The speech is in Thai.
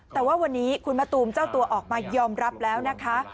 แต่ว่าวันนี้คุณมะตูมเจ้าตัวออกมายอมรับแล้วนะคะ